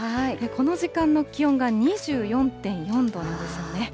この時間の気温が２４．４度なんですよね。